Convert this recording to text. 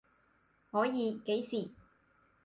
可以，幾時？